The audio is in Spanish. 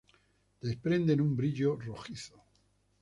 Desprende un brillo rojizo.